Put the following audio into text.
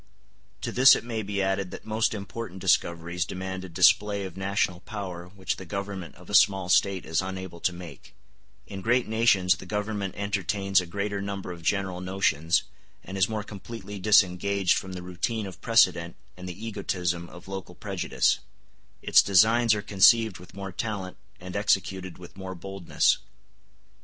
To this it may be added that most important discoveries demand a display of national power which the Government of a small State is unable to make; in great nations the Government entertains a greater number of general notions, and is more completely disengaged from the routine of precedent and the egotism of local prejudice; its designs are conceived with more talent, and executed with more boldness.